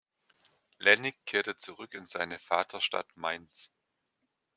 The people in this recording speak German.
Lennig kehrte zurück in seine Vaterstadt Mainz.